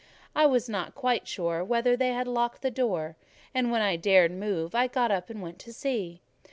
I was not quite sure whether they had locked the door; and when I dared move, I got up and went to see.